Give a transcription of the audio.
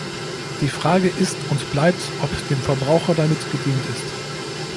Die Frage ist und bleibt, ob dem Verbraucher damit gedient ist.